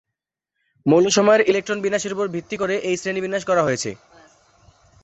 মৌলসমূহের ইলেকট্রন বিন্যাসের উপর ভিত্তি করে এই শ্রেণী বিন্যাস করা হয়েছে।